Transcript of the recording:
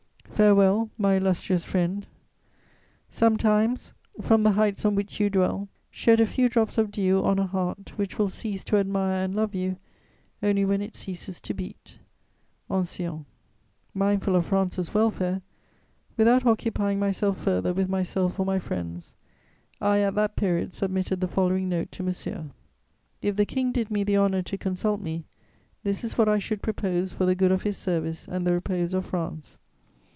"Farewell, my illustrious friend; sometimes, from the heights on which you dwell, shed a few drops of dew on a heart which will cease to admire and love you only when it ceases to beat. "ANCILLON." [Sidenote: I resign the Berlin embassy.] Mindful of France's welfare, without occupying myself further with myself or my friends, I at that period submitted the following note to Monsieur: "If the King did me the honour to consult me, this is what I should propose for the good of his service and the repose of France.